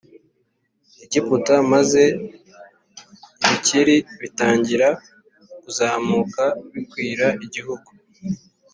Egiputa maze ibikeri bitangira kuzamuka bikwira igihugu